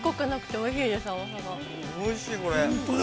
◆おいしい、これ。